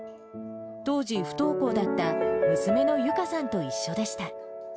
当時、不登校だった娘のユカさんと一緒でした。